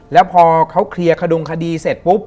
แล้วพอเขาเคลียร์ขดุงคดีเสร็จปุ๊บ